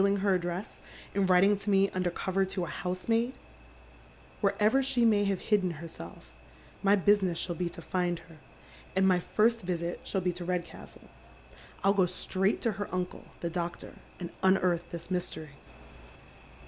s: her address and writing to me under cover to a housemaid ? Wherever she may have hidden heraelf, my business shall bo to find her, and my first visit shall be to Redcastle. I'll go straight to iier uncle, tlie doctor, and unearth this mystery."